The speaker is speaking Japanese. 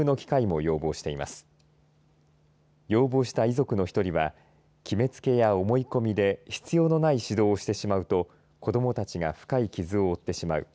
要望した遺族の１人は決めつけや思い込みで必要のない指導をしてしまうと子どもたちが深い傷を負ってしまう。